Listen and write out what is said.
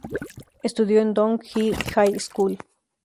Estudió en "Dong Ji High School".